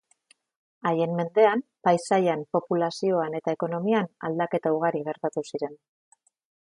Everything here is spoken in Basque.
Haien mendean, paisaian, populazioan eta ekonomian aldaketa ugari gertatu ziren.